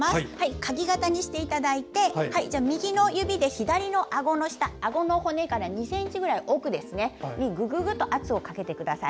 かぎ型にして右の指で左のあごの下あごの骨から２ｃｍぐらい奥に圧をかけてください。